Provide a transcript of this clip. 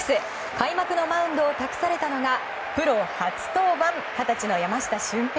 開幕のマウンドを託されたのがプロ初登板、二十歳の山下舜平